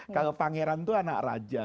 kalau pangeran itu anak raja